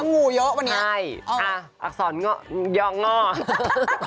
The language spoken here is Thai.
เราพูดถึงเรื่องงูเยอะวันนี้